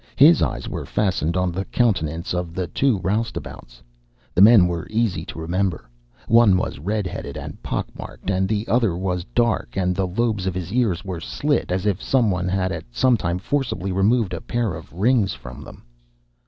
His eyes were fastened on the countenances of the two roustabouts. The men were easy to remember. One was red headed and pockmarked and the other was dark and the lobes of his ears were slit, as if some one had at some time forcibly removed a pair of rings from them.